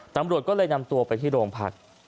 ตำรวจก็เลยนำตัวไปที่โรงพัก